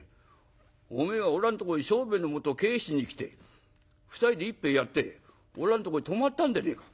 おめえはおらんとこへ商売の元を返しに来て２人で一杯やっておらんとこへ泊まったんでねえか」。